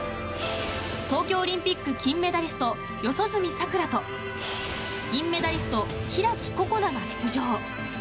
東京オリンピック金メダリスト四十住さくらと銀メダリスト、開心那が出場。